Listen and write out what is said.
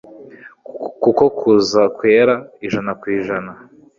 kuko kuzakwereka ijana ku ijana